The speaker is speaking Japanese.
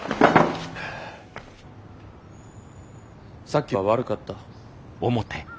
さっきは悪かった。